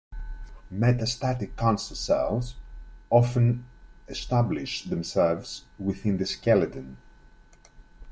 Metastatic cancer cells often establish themselves within the skeleton.